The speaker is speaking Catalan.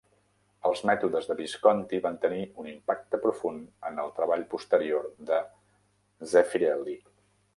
Els mètodes de Visconti van tenir un impacte profund en el treball posterior de Zeffirelli.